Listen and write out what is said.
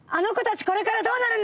これからどうなるんでしょう？